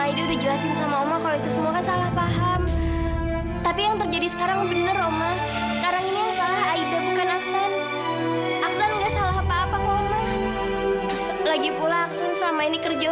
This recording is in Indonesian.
hari ini kan dia pertama kali masuk kerja